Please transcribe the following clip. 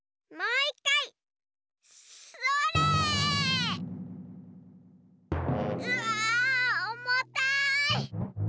うわおもたい！